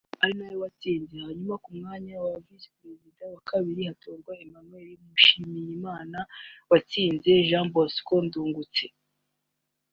ari nawe watsinze hanyuma ku mwanya wa Visi Perezida wa Kabiri hatorwa Eugenie Mushimiyimana watsinze Jean Bosco Ndungutse